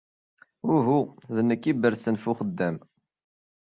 Uhu d nec iberrsen f wexdam.